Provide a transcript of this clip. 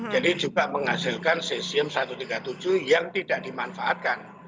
jadi juga menghasilkan cesium satu ratus tiga puluh tujuh yang tidak dimanfaatkan